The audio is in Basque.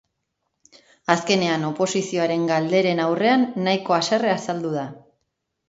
Azkenean, oposizioaren galderen aurrean nahiko haserre azaldu da.